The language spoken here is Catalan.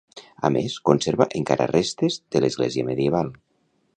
A més, conserva encara restes de l'església medieval.